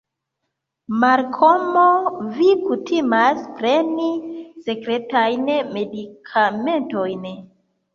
Malkomo, vi kutimas preni sekretajn medikamentojn.